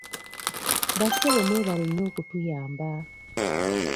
Bassebo mwebale nnyo okutuyamba.